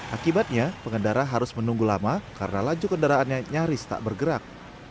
akibatnya pengendara harus menunggu lama karena laju kendaraannya nyaris tak bergerak